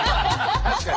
確かにね。